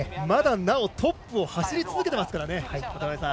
まだなおトップを走り続けていますからね。